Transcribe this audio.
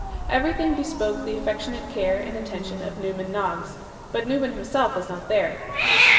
Everything bespoke the affectionate care and attention of Newman Noggs, but Newman himself was not there.